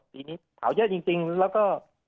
ปีนี้เผาเยอะจริงแล้วก็